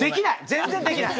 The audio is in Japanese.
全然できない。